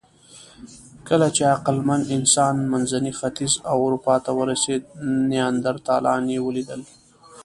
کله چې عقلمن انسان منځني ختیځ او اروپا ته ورسېد، نیاندرتالان یې ولیدل.